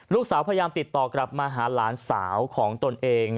พยายามติดต่อกลับมาหาหลานสาวของตนเอง